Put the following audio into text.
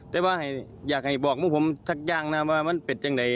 แต่ว่าอยากให้บอกพวกผมสักอย่างนะว่ามันเป็นยังไง